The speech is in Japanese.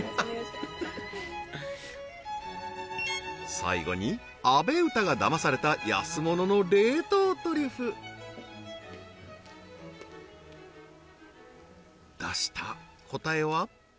最後に阿部詩がだまされた安物の冷凍トリュフ出した答えは？